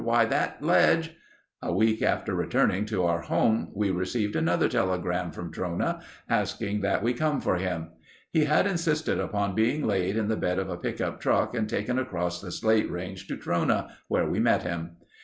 Why, that ledge—" A week after returning to our home we received another telegram from Trona asking that we come for him. He had insisted upon being laid in the bed of a pickup truck and taken across the Slate Range to Trona, where we met him.